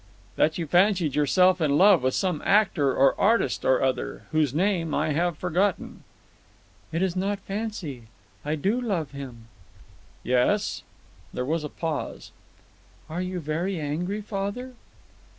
"That you fancied yourself in love with some actor or artist or other whose name I have forgotten." "It is not fancy. I do love him." "Yes?" There was a pause. "Are you very angry, father?"